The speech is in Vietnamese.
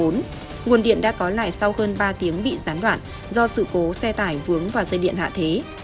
nguồn điện đã có lại sau hơn ba tiếng bị gián đoạn do sự cố xe tải vướng vào dây điện hạ thế